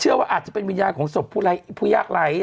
ว่าอาจจะเป็นวิญญาณของศพผู้ยากไร้